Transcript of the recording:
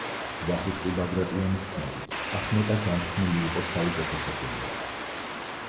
ვახუშტი ბაგრატიონის ცნობით, ახმეტა განთქმული იყო საუკეთესო ღვინით.